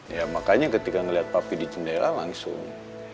ya makanya ketika ngeliat papi di jendela langsung